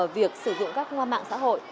việc sử dụng các mạng xã hội